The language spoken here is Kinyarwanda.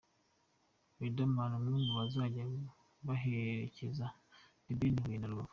Riderman umwe mu bazajya baherekeza The Ben i Huye na Rubavu.